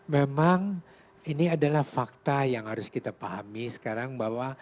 memang ini adalah fakta yang harus kita pahami sekarang bahwa